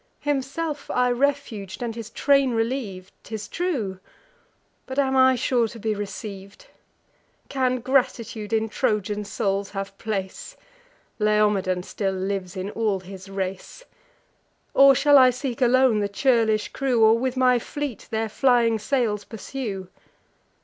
Himself I refug'd, and his train reliev'd; 'Tis true; but am I sure to be receiv'd? Can gratitude in Trojan souls have place! Laomedon still lives in all his race! Then, shall I seek alone the churlish crew, Or with my fleet their flying sails pursue?